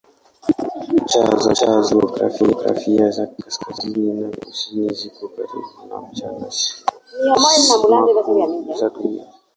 Ncha za kijiografia za kaskazini na kusini ziko karibu na ncha sumaku za Dunia.